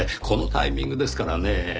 このタイミングですからねぇ。